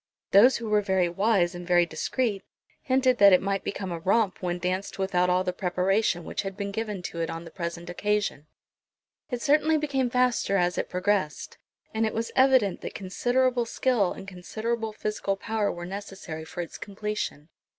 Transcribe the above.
Those who were very wise and very discreet hinted that it might become a romp when danced without all the preparation which had been given to it on the present occasion. It certainly became faster as it progressed, and it was evident that considerable skill and considerable physical power were necessary for its completion.